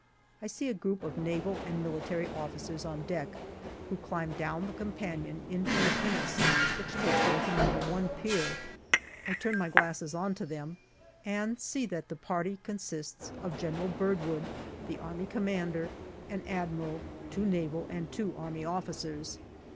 I see a group of Naval and Military officers on deck, who climb down the companion into a pinnace, which takes them to No. i Pier. I turn my glasses on to them and see that the party consists of General Birdwood, the Army Commander, an Admiral, two Naval and two Army officers.